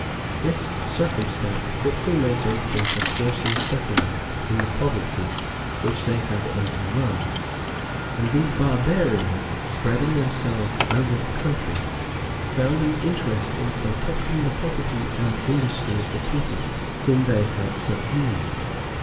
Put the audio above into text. This circumstance quickly made them think of forcing a settlement in the provinces which they had overrun: and these barbarians, spreading themselves over the country, found an interest in protecting the property and industry of the people whom they had subdued.